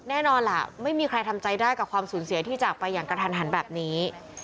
แน่นอนล่ะไม่มีใครทำใจได้กับความสูญเสียที่จากไปอย่างกระทันหันแบบนี้